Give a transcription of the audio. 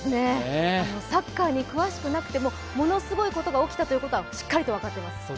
サッカーに詳しくなくてもものすごいことが起きたということはしっかりと分かっています。